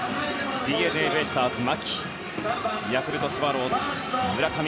ＤｅＮＡベイスターズ、牧ヤクルトスワローズ、村上。